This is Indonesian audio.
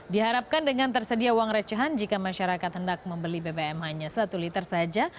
diharapkan dengan tersedia uang recehan jika masyarakat hendak membeli bbm hanya satu liter saja